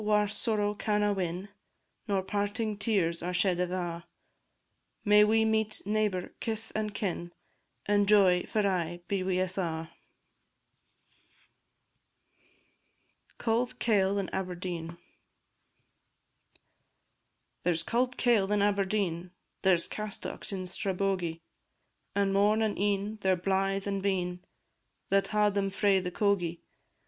whar sorrow canna win, Nor parting tears are shed ava', May we meet neighbour, kith, and kin, And joy for aye be wi' us a'! CAULD KAIL IN ABERDEEN. There 's cauld kail in Aberdeen, There 's castocks in Strabogie; And morn and e'en, they 're blythe and bein, That haud them frae the cogie.